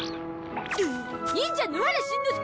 忍者野原しんのすけ！